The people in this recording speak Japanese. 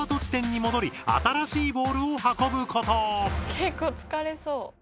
結構疲れそう。